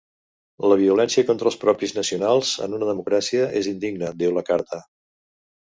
La violència contra els propis nacionals en una democràcia és indigna, diu la carta.